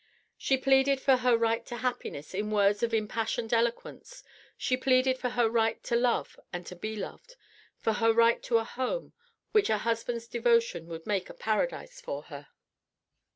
She pleaded for her right to happiness in words of impassioned eloquence, she pleaded for her right to love and to be loved, for her right to a home, which a husband's devotion would make a paradise for her.